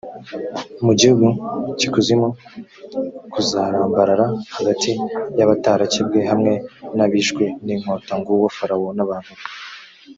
mu gihugu cy ikuzimu k uzarambarara hagati y abatarakebwe hamwe n abishwe n inkota nguwo farawo n abantu be